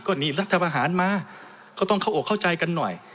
หนีรัฐบาหารมาก็ต้องเข้าอกเข้าใจกันหน่อย